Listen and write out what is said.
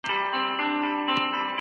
د ماشوم جامې باید پاکې او نرمې وي.